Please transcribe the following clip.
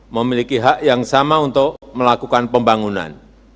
memiliki hak yang sama untuk melakukan pembangunan